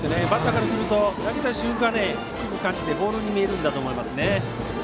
バッターからすると投げた瞬間低く感じてボールに見えるんだと思います。